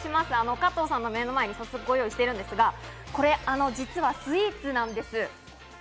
加藤さんの目の前に早速ご用意しているんですが、実はこれ、スイーツなんです。